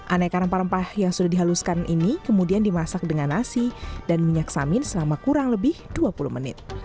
aneka rempah rempah yang sudah dihaluskan ini kemudian dimasak dengan nasi dan minyak samin selama kurang lebih dua puluh menit